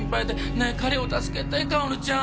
ねえ彼を助けて薫ちゃん！